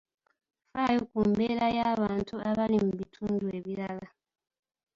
Ffaayo ku mbeera y'abantu abali mu bitundu ebirala.